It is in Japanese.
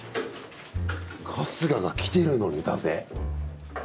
春日が来てるのにだぜ。